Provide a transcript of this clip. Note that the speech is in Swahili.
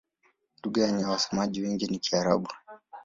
Lugha yenye wasemaji wengi ni Kiarabu.